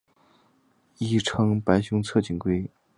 亦称白胸侧颈龟。